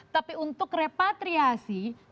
tapi untuk repatriasi